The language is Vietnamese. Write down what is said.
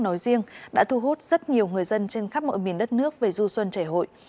nói riêng đã thu hút rất nhiều người dân trên khắp mọi miền đất nước về du xuân trải hội